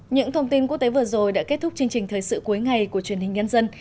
những thông tin quốc tế vừa rồi đã kết thúc chương trình thời sự cuối ngày của truyền hình nhân dân